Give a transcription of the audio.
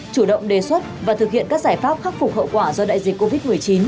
chủ động đề xuất và thực hiện các giải pháp khắc phục hậu quả do đại dịch covid một mươi chín